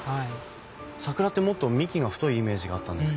桜ってもっと幹が太いイメージがあったんですけど。